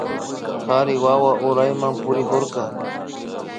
Kari wawa urayman purikurka